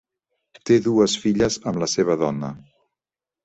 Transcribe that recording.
Té dues filles amb la seva dona.